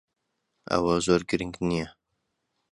ئەوە زۆر گرنگ نییە.